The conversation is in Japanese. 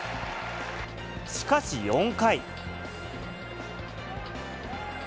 しかし４回。